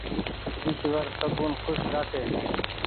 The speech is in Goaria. ايشور سبون کوش رآکي